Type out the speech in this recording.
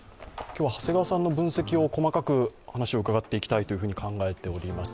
今日は長谷川さんの分析を、細かく話を伺っていきたいと考えております。